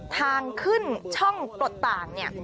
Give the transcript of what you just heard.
ทางขึ้นช่องปลดต่างเนี่ย